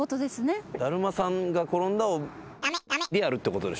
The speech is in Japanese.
だるまさんが転んだをでやるってことでしょ。